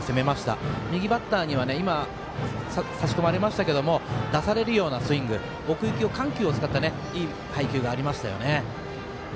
今、右バッターには差し込まれましたけど出されるようなスイング奥行き、緩急を使ったいい配球がありましたよね。